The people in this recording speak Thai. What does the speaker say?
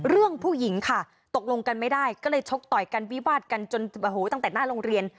เรื่องผู้หญิงค่ะตกลงกันไม่ได้ก็เลยชกต่อยกันวิวาดกันจนโอ้โหตั้งแต่หน้าโรงเรียน